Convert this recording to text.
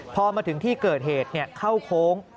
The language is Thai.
พอมาถึงที่เกิดเหตุเข้าโค้ง